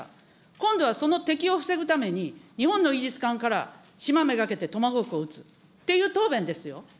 今度はその敵を防ぐために、日本のイージス艦から島めがけてトマホークを撃つっていう答弁ですよ。